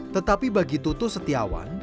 tetapi bagi tutus setiawan